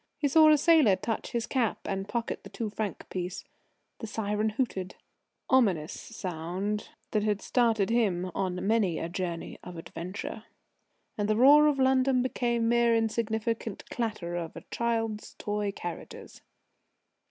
He saw a sailor touch his cap and pocket the two franc piece. The syren hooted ominous sound that had started him on many a journey of adventure and the roar of London became mere insignificant clatter of a child's toy carriages.